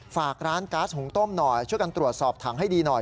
ฝากร้านก๊าซหุงต้มหน่อยช่วยกันตรวจสอบถังให้ดีหน่อย